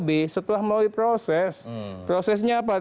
b setelah melalui proses prosesnya apa